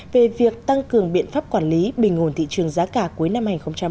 về việc tăng cường biện pháp quản lý bình nguồn thị trường giá cả cuối năm hai nghìn một mươi bảy